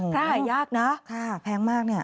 พระหายากค่ะแพงมาก